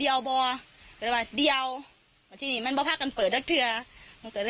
เริ่มวันรุมบ้าธาวนร้านชะนักท่านค่ะ